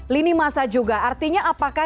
lini masa juga artinya apakah